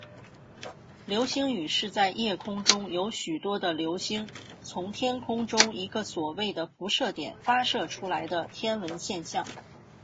流星雨是在夜空中有许多的流星从天空中一个所谓的辐射点发射出来的天文现象。